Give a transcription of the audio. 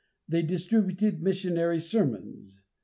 They distributed missionary sermons.